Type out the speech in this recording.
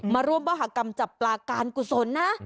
มาร่วมมหากรรมจับปลาการกุศลนะ